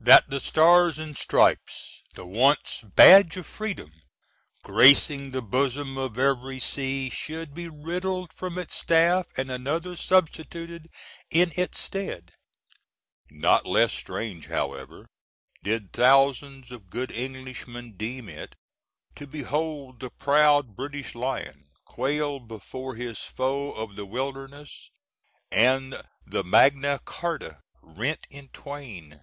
That the "Stars and Stripes" the (once) badge of freedom, gracing the bosom of every sea should be riddled from its staff and another substituted in its stead. Not less strange, however, did thousands of good Englishmen deem it, to behold the proud "British Lion" quail before his foe of "the wilderness," and the "Magna Charta" rent in twain.